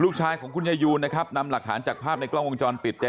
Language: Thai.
ลูกชายของคุณยายูนนะครับนำหลักฐานจากภาพในกล้องวงจรปิด